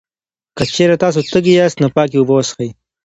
که چېرې تاسو تږی یاست، نو پاکې اوبه وڅښئ.